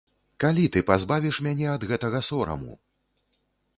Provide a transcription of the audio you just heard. Калі ты пазбавіш мяне ад гэтага сораму?